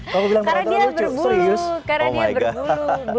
karena dia berbulu karena dia berbulu